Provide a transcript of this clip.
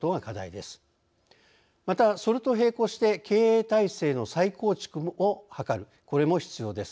またそれと並行して経営体制の再構築を図るこれも必要です。